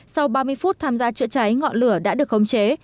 sau ba mươi phút tham gia chữa cháy ngọn lửa đã được khống chế